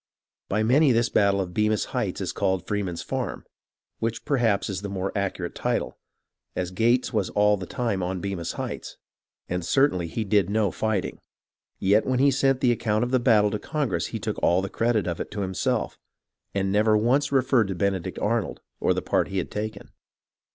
By many this battle of Bemis Heights is called Free man's Farm, which perhaps is the more accurate title, as Gates was all the time on Bemis Heights, and certainly he did no fighting ; yet when he sent the account of the battle to Congress he took all the credit of it to him self, and never once referred to Benedict Arnold or the part he had taken.